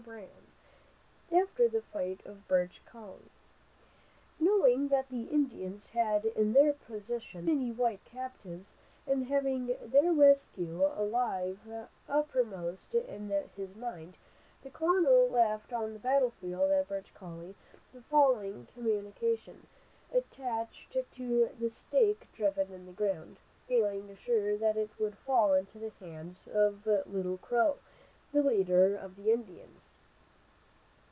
Brown, after the fight at Birch Coulie. Knowing that the Indians had in their possession many white captives, and having their rescue alive uppermost in his mind, the colonel left on the battlefield at Birch Coulie the following communication, attached to a stake driven in the ground, feeling assured that it would fall into the hands of Little Crow, the leader of the Indians.